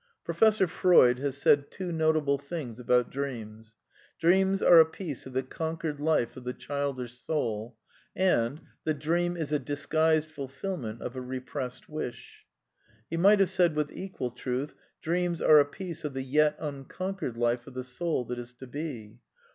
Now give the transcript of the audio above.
Professor Freud has said two notable things about dreams :" Dreams are a piece of the conquered life of the childish soul," and " The dream is a disguised fulfil ment of a repressed wish." ^^ He might have said with equal truth : Dreams are a piece of the yet unconquered t^ life of the soul that is to be.